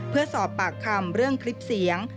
เพื่อสอบปากคำเรื่องคลิปเสียง